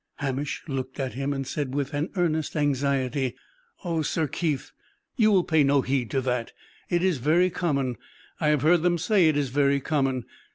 Hamish looked at him, and said with an earnest anxiety: "O Sir Keith, you will pay no heed to that! It is very common; I have heard them say it is very common.